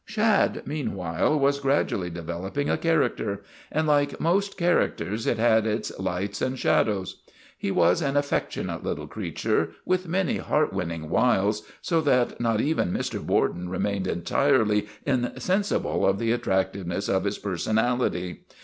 Shad, meanwhile, was gradually developing a character, and like most characters it had its lights and shadows. He was an affectionate little crea ture with many heart winning wiles, so that not even Mr. Borden remained entirely insensible of the attractiveness of his personality.